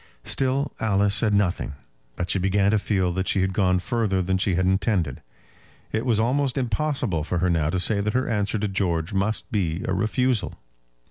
Still Alice said nothing, but she began to feel that she had gone further than she had intended. It was almost impossible for her now to say that her answer to George must be a refusal.